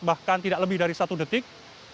bahkan tidak lebih dari satu detik